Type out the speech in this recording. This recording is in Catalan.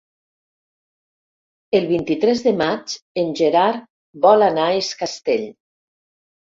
El vint-i-tres de maig en Gerard vol anar a Es Castell.